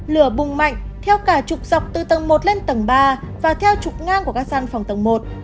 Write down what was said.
lửa bùng mạnh theo cả chục dọc từ tầng một lên tầng ba và theo trục ngang của các sàn phòng tầng một